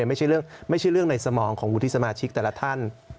ไม่ใช่เรื่องในสมองของวุฒิสมาชิกแต่ละท่าน